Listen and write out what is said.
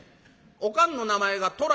おかんの名前が『とら』